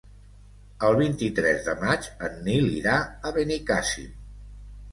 El vint-i-tres de maig en Nil irà a Benicàssim.